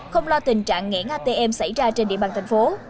không lo tình trạng nghẽn atm xảy ra trên địa bàn thành phố